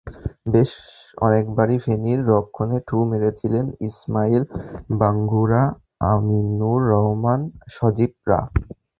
বেশ অনেকবারই ফেনীর রক্ষণে ঢুঁ মেরেছিলেন ইসমাইল বাঙ্গুরা, আমিনুর রহমান সজীবরা।